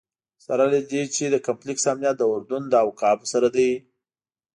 سره له دې چې د کمپلکس امنیت د اردن له اوقافو سره دی.